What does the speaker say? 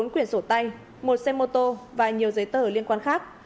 bốn quyển sổ tay một xe mô tô và nhiều giấy tờ liên quan khác